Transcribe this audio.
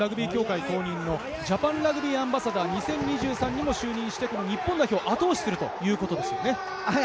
櫻井さんは日本ラグビー協会のジャパンラグビーアンバサダー２０２３にも就任して、日本代表を後押しするってことですよね。